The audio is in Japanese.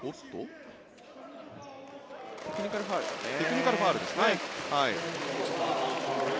テクニカルファウルですね。